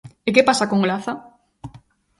E que pasa con Olaza?